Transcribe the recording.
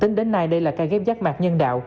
tính đến nay đây là ca ghép giác mạc nhân đạo